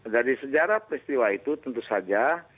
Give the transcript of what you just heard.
dari sejarah peristiwa itu tentu saja